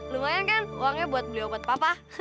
lumayan kan uangnya buat beli obat papa